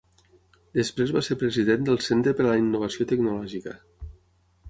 Després va ser president del Centre per a la Innovació Tecnològica.